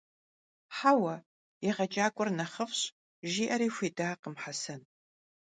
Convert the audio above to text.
Heue, yêğecak'uer nexhıf'ş, - jji'eri xuidakhım Hesen.